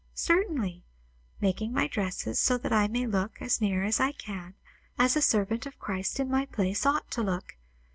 "Certainly. Making my dresses so that I may look, as near as I can, as a servant of Christ in my place ought to look.